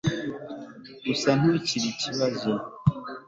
gusa ntugire ikibazo